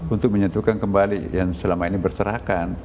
untuk menyentuhkan kembali yang selama ini berserahkan